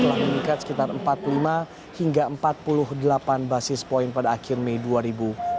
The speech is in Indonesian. telah meningkat sekitar empat puluh lima hingga empat puluh delapan basis point pada akhir mei dua ribu dua puluh